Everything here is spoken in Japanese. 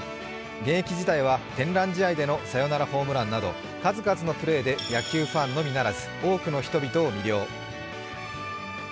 現役時代は天覧試合でのサヨナラホームランなど数々のプレーで野球ファンのみならず多くの人々を魅了。